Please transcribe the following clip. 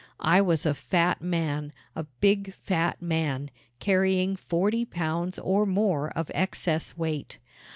I was a fat man a big fat man carrying forty pounds or more of excess weight.